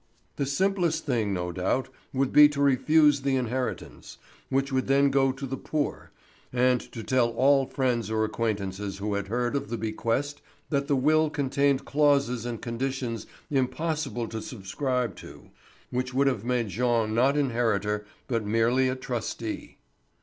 The simplest thing no doubt, would be to refuse the inheritance, which would then go to the poor, and to tell all friends or acquaintances who had heard of the bequest that the will contained clauses and conditions impossible to subscribe to, which would have made Jean not inheritor but merely a trustee.